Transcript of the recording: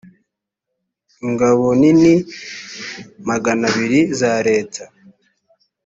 ingabo nini magana abiri za leta